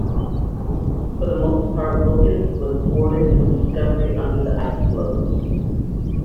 For the most part Wilkins was thwarted from discovery under the ice floes.